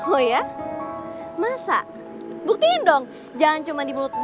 oh ya masa buktiin dong jangan cuma di mulut